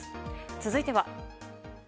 続いては。